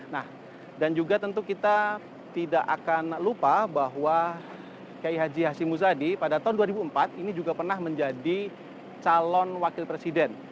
nah dan juga tentu kita tidak akan lupa bahwa kiai haji hashim muzadi pada tahun dua ribu empat ini juga pernah menjadi calon wakil presiden